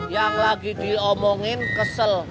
yang lagi diomongin kesel